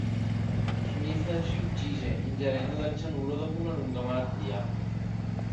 Smith si uccise ingerendo del cianuro dopo una lunga malattia.